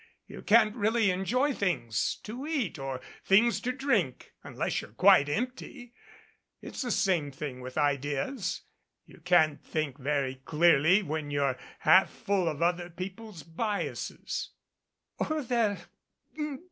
You can't really enjoy things to eat or things to drink unless you're quite empty. It's the same thing with ideas. You can't 131 MADCAP think very clearly when you're half full of other people's biases."